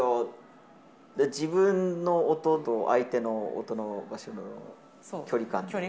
自分の音と相手の音の場所の距離感。